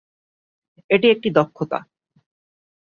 এটি একটি দক্ষতা।